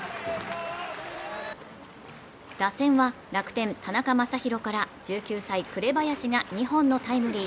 打線は楽天・田中将大から１９歳、紅林が２本のタイムリー。